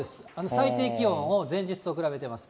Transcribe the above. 最低気温を前日と比べてます。